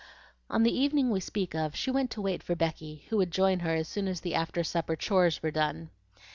On the evening we speak of, she went to wait for Becky, who would join her as soon as the after supper chores were done.